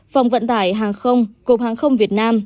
phòng vận tải hàng không cục hàng không việt nam